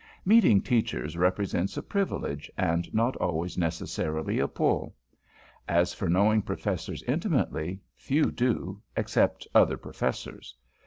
Meeting Teachers represents a privilege and not always necessarily a pull. As for knowing Professors intimately, few do, except other Professors.